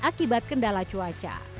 akibat kendala cuaca